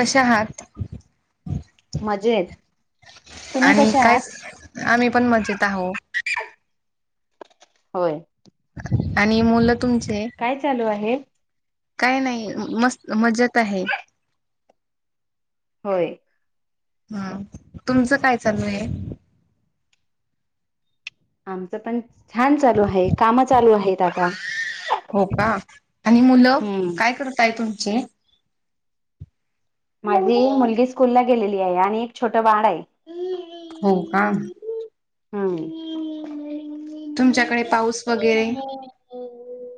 कश आहात? मजेत तुम्ही आणि कशा आहात? कायऽ आम्ही पण मजेत आहोऽ होय, आणि मुलं तुमचे,, काय चालू आहे? काय नाही,, मस्त मजेत आहे. होय, हा, तुमचं काय चालू आहे? आमचं पण, छान चालू आहे,, काम चालू आहेत आता. हो का,, आणि मुलं, हम्म. काय करताय तुमचे? माझी, मुलगी स्कूल ला गेलेली आहे, आणि एक छोट बाळ आहे, हो का, हम्म, तुमच्याकडे पाऊसऽ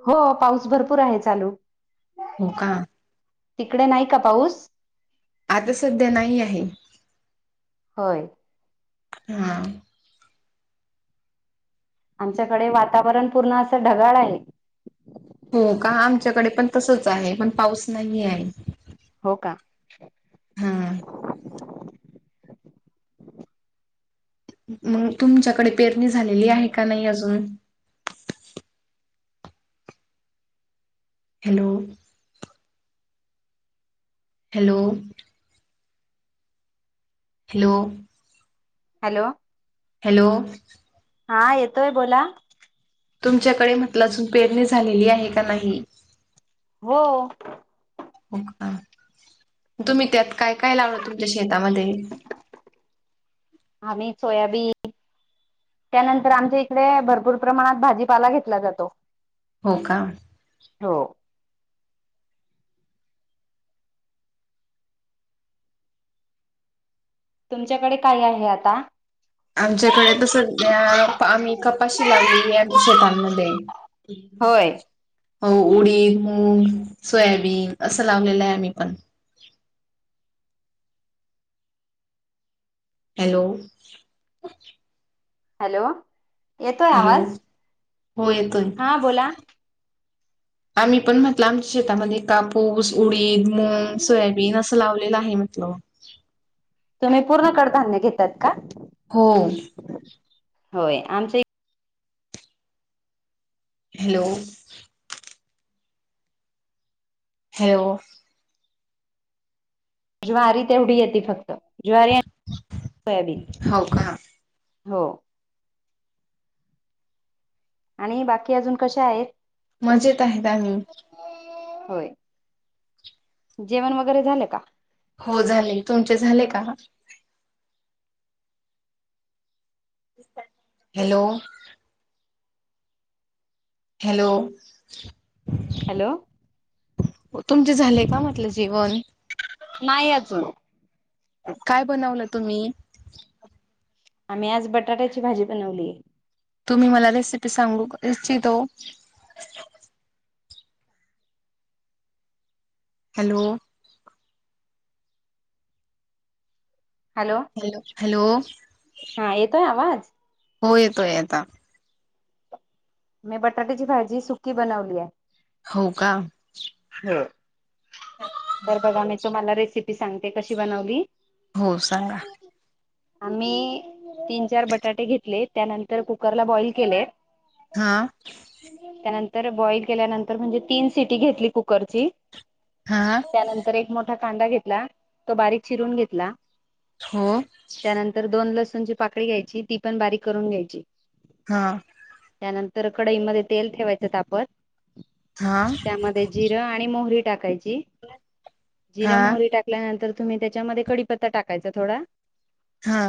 हो, पाऊस भरपूर आहे चालू. हो का,, तिकडे नाही का पाऊस? आता सध्या नाही आहे. होय! हा! आमच्याकडे वातावरण पूर्ण असं ढगाळ आहे. हो का आमच्याकडे पण तसच आहे पण पाऊस नाही आहे. हो का. हा मंग तुमच्याकडे पेरणी झालेली आहे का नाही अजून. Hello! Hello! Hello! Hello! Hello! हा येतोय बोला. तुमच्याकडे म्हटलं अजून पेरणी झालेली आहे का नाही. हो! तुम्ही त्यात काय, काय लावलं तुमच्या शेतामध्ये. आम्ही सोयाबीन. त्यानंतर आमच्या इकडे भरपूर प्रमाणात भाजीपाला, घेतला जातो. हो का. हो! तुमच्याकडे काय आहे आता. आमच्याकडे त सध्या प आम्ही कपाशी लावलेली आहे आमच्या शेतांमध्ये. होय. हो उडीद, मुंग, सोयाबीन असं लावलेलं आहे आम्ही पण. हॅलो! हॅलो! येतोय हॅलो आवाज हो येतोय. हा बोला. आम्ही पण म्हटलं आमच्या शेतामध्ये कापूस, उडीद, मग, सोयाबीन, असं लावलेलं आहे म्हटल. तुम्ही पूर्ण कडधान्य घेतात का? हो! होय आमच्या ई हॅलो! हॅलो! ज्वारी, तेवढी येते फक्त ज्वारी आणि सोयाबीन. हो का हो! आणि बाकी अजून कश्या आहेत. मजेत आहेत आम्ही. होय जेवण वगैरे झालं का? हो झालय तुमचे झाले का? हॅलो! हॅलो! हॅलो! हो तुमचे झाले का म्हटलं जेवन. नाही आजून. काय बनवलं तुम्ही? आम्ही आज बटाट्याची भाजी बनवलीये. तुम्ही मला रेसिपी सांगू इच्छितो हॅलो? हॅलो? हॅलो, हॅलो हा, येतोय आवाज? हो, येतोय आता. मी बटाट्याची भाजी सुकी बनवली आहे. हो का? हो, तर बघा मी तुम्हाला रेसिपी सांगते कशी बनवली हो, सांगा. आम्ही तीन चार बटाटे घेतले, त्यानंतर कुकरला बॉइल केलेत. हा त्यानंतर, बॉईल केल्यानंतर, म्हणजे तीन सिटी घेतली कुकरची. हा त्यानंतर एक मोठा कांदा घेतला, तो बारीक चिरून घेतला. हो त्यानंतर दोन लसूणची पाकळी घ्यायची, ती पण बारीक करून घ्यायची. हा त्यानंतर कडईमध्ये तेल ठेवायचं तापत, हा त्यामध्ये जिरं आणि मोहरी टाकायची, जिरं हा मोहरी टाका नंतर तुम्ही त्याच्यामध्ये कडी पत्ता टाकायचा थोडा हा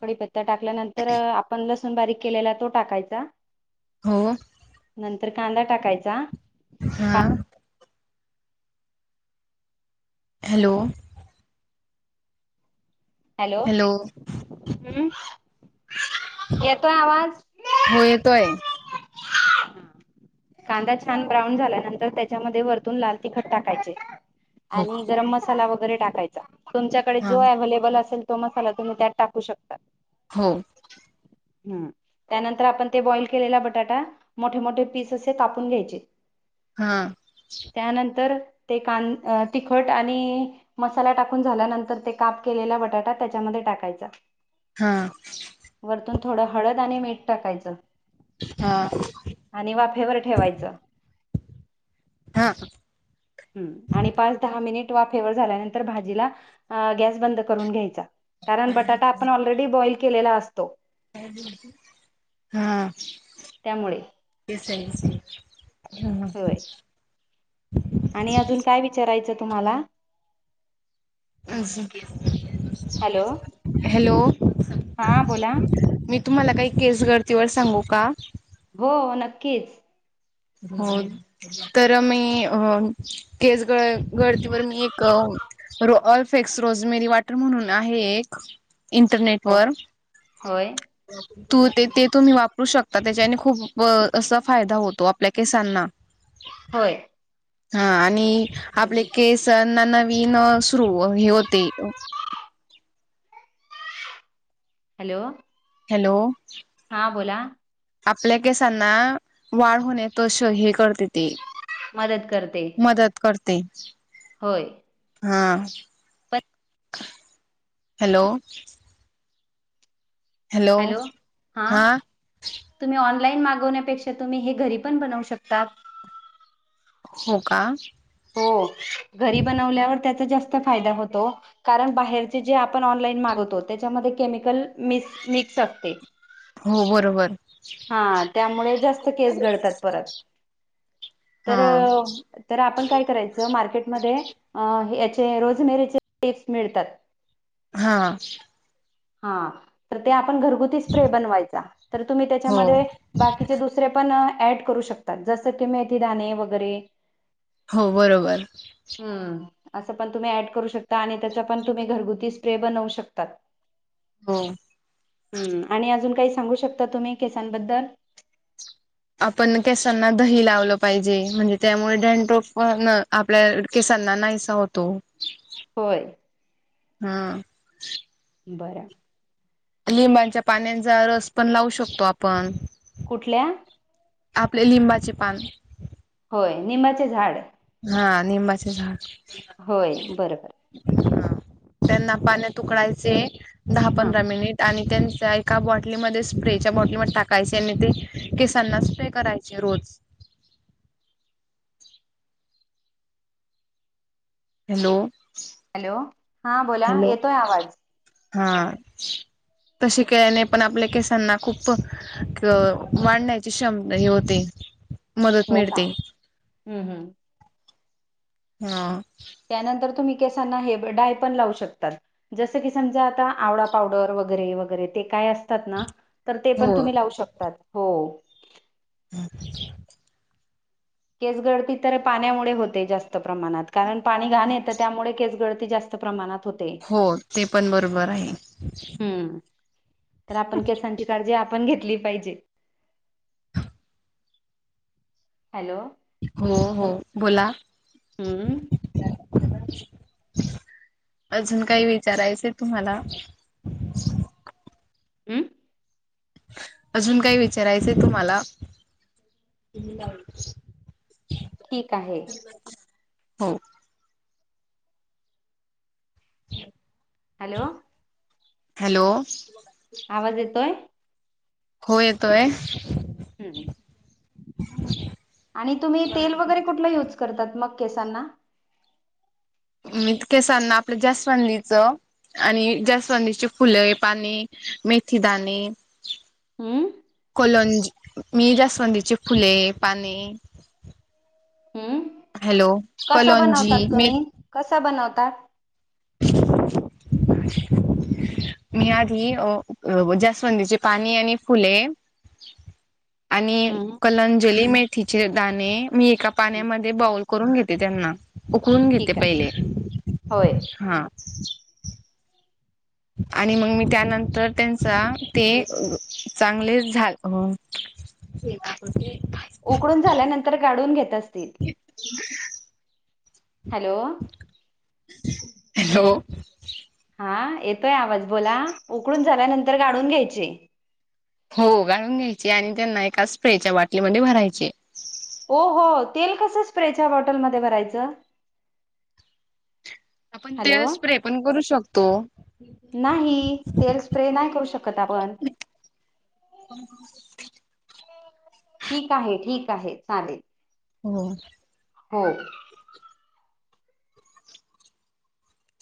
कडीपत्ता टाकल्यानंतर, आपण लसूण बारीक केलेला तो टाकायचा. हो नंतर कांदा टाकायचा. हा. हॅलो? हॅलो, हम, येतोय आवाज? हो येतोय. [unintelligible] कांदा छान ब्राऊन झाल्यानंतर, त्याच्यामध्ये वरतून लाल तिखट टाकायचं. हो आणि गरम मसाला वगैरे टाकायचा. तुमच्याकडे हा जो अव्हेलेबल असेल, तो मसाला तुम्ही त्यात टाकू शकता. हो. ह, त्यानंतर आपण बॉईल केलेला बटाटा, मोठे मोठे पीस असे कापून घ्यायचे. हा. त्यानंतर ते, कान तिखट आणि मसाला टाकून झाल्यानंतर, ते काप केलेला बटाटा त्याच्यामध्ये टाकायचा. हा. वरतून थोडं हळद आणि मीठ टाकायचं. हा. आणि वाफेवर ठेवायचं. हा हूं आणि पाच दहा मिनिट वाफेवर झाल्यानंतर भाजीला अ गॅस बंद करून घ्यायचा, कारण बटाटा आपण ऑलरेडी बॉईल केलेला असतो. हा त्यामुळे ते सेम सेम [unintelligible] होय आणि अजून काय विचारायचं तुम्हाला? असं हॅलो हॅलो, हा बोला मी तुम्हाला काही केस गळतीवर सांगू का? हो नक्कीच. हो न तर मी, अ केस ग गळतीवर मी एक अ र ऑल्फेक्स रोजमेरी वाटर म्हणून आहे एक, हो इंटरनेटवर होय. [inaudible] तू ते ते तुम्ही वापरू शकता त्याच्याने खूप असा फायदा होतो आपल्या केसांना. होय. हा आणि, आपले केसना नवीन सुरू हे होते हॅलो, हॅलो, हां बोला आपल्या केसांना, वाढ होणे पासून हे करते ती मदत करते. करते. होय. हा, पण हॅलो, हॅलो, हा तुम्ही ऑनलाईन मागवण्यापेक्षा तुम्ही हे घरी पण बनवू शकता. हो का. हो, घरी बनवल्यावर त्याचा जास्त फायदा होतो. कारण बाहेरचे जे आपण ऑनलाईन मागवतो, त्याच्यामध्ये केमिकल मिक्स मिक्स असते. हो बरोबर. हा त्यामुळे जास्त केस गळतात परत. हा तर, तर आपण काय करायचं मार्केटमध्ये अ याचे रोजमेरीचे [unintelligible] मिळतात. हा, हा, तर ते आपण घरगुती स्प्रे बनवायचा, तर तुम्ही हो त्याच्यामध्ये बाकीचे दुसरे पण ऍड करू शकतात, जसं की मेथी दाणे वगैरे हो बरोबर. हम्म, असं पण तुम्ही ऍड करू शकता, आणि त्याच पण तुम्ही घरगुती स्प्रे बनवू शकतात. हो. हम्म, आणि अजून काही सांगू शकता तुम्ही केसांबद्दल आपण केसांना दही लावलं पाहिजे, म्हणजे त्यामुळे डेनट्रोफ न आप आपल्या केसांना नाहीसा होतो. होय. हा, बरंय, लिंबांच्या पाण्याचा रस पण लावू शकतो आपण,, कुठल्या? आपले लिंबाचे पान, होय, निंबचे झाड. हा, निंबाचे झाड. होय, बरं बरं. ह,, त्यांना पाण्यात उकळयचे,, दहा हा पंधरा मिनिट आणि त्यांचेऽ एका बॉटलीमध्ये स्प्रेच्या बॉटलीमध्ये टाकायचे, आणि ते केसांना स्प्रे करायचे रोज. हॅलो, हॅलो,, हा बोला, हॅलो येतोय आवाज. हा, तशी केल्याने पण आपल्या केसांना खूप वाढण्याची क्षमता हे होते. मदत हो का,, मिळते हम्म हम्म. हा, त्यानंतर तुम्ही केसांना हे डाय पण लावू शकतात. जसं की समजा आता आवळा पावडर वगैरे, वगैरे ते काय असतात ना,, तर ते पण हो तुम्ही लावू शकतात हो. ह ठीक. केस गळती तर पाण्यामुळे होते जास्त प्रमाणात कारण पाणी घाण येतं त्यामुळे केस गळती जास्त. प्रमाणात हो. हो ते पण बरोबर आहे. हम्म तर आपण केसांची काळजी आपण घेतली पाहिजे. हॅलो! हो हो बोला. हम्म. अजून काही विचारायचं तुम्हाला. हमं अजून काही विचारायचंय तुम्हाला. तुम्ही लावलीस. ठीक आहे. हो. हॅलो! हॅलो! आवाज येतोय. हो येतोय. हम्म. [inaudible] आणि तुम्ही तेल वगैरे कुठला युज करतात मग केसांना. मीित केसांना आपल्या जस्वधीचं. आणि जस्वदीचे फुले पाणी मेथी दणे. हम. फलंज मी जास्वंदीचे फुले पाने. हम्म हॅलो कस कलोंजी बनवतात मे तुम्ही कसं बनवता. ह [unintelligible] मी आधी अ जास्वंदी चे पाणी आणि फुले आणि हम्म कलज जली मेथीचे दाणे मी एका हम्म. पाण्यामध्ये बाउल करून घेते त्यांना उकळून घेते ठीक आहे पहिले होय. हां. आणि मग मी त्यानंतर त्यांचा ते चांगले झा ते उकडून झाल्यानंतर गाडून घेत असतील हॅलो हॅलो हा येतोय आवाज बोला उकडून झाल्यानंतर गाळून घ्यायचे. हो गाळून घ्यायची आणि त्यांना एका स्प्रेच्या बाटलीमध्ये भरायचे. हो हो तेल कसं स्प्रेच्या बॉटलमध्ये भरायचं. आपण ते हॅलो स्प्रे पण करू शकतो. नाही तेल स्प्रे नाही करू शकत आपण कोण. ठीक आहे ठीक आहे चालेल. हो. हो.